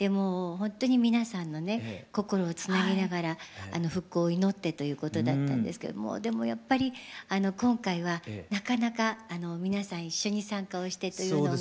心をつなぎながら復興を祈ってということだったんですけどもうでもやっぱり今回はなかなか皆さん一緒に参加をしてというのが。